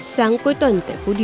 sáng cuối tuần